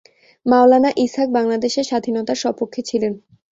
মাওলানা ইসহাক বাংলাদেশের স্বাধীনতার সপক্ষে ছিলেন।